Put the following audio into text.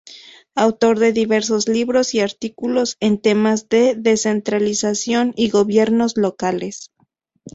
Autor de diversos libros y artículos en temas de descentralización y gobiernos locales.